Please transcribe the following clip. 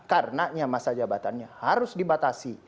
karena masa jabatannya harus dibatasi